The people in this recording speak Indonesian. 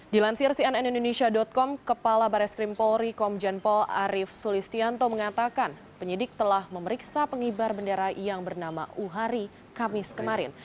dilansir cnn indonesia com kepala baris krim polri komjen pol arief sulistianto mengatakan penyidik telah memeriksa pengibar bendera yang bernama uhari kamis kemarin